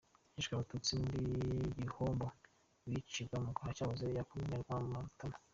Hishwe abatutsi muri Gihombo bicirwa ku cyahoze ari Komine Rwamatamu.